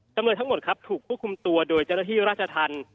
จำนวยทั้งหมดถูกควบคุมตัวโดยเจ้าหน้าที่ราชธรรม